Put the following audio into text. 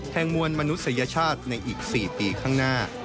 มวลมนุษยชาติในอีก๔ปีข้างหน้า